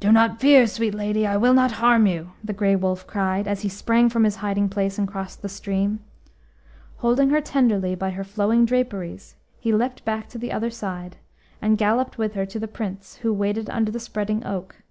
"Do not fear, sweet lady! I will not harm you!" the Grey Wolf cried, as he sprang from his hiding place and crossed the stream. Holding her tenderly by her flowing draperies, he leapt back to the other side, and galloped with her to the Prince, who waited under the spreading oak.